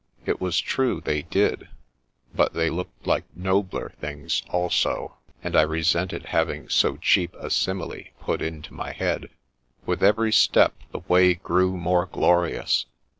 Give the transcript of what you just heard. It was true ; they did ; but they looked like nobler things also, and I resented having so cheap a simile put into my head. With every step the way grew more glorious.